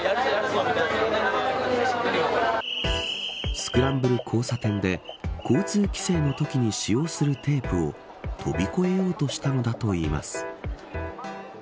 スクランブル交差点で交通規制のときに使用するテープを飛び越えようとしたのだといいます。